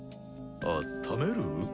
あっためる？